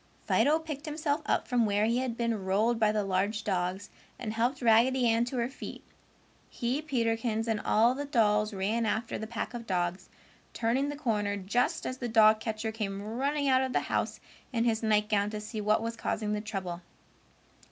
Fido picked himself up from where he had been rolled by the large dogs and helped Raggedy Ann to her feet. He, Peterkins, and all the dolls ran after the pack of dogs, turning the corner just as the dog catcher came running out of the house in his nightgown to see what was causing the trouble.